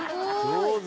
上手！